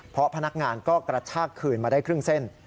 เพราะพนักงานก็กระชากคืนมาได้ครึ่งเส้น